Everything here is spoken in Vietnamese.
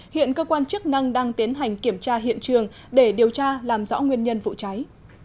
hiện cơ quan chức năng đang tiến hành kiểm tra hiện trường để điều tra làm rõ nguyên nhân vụ cháy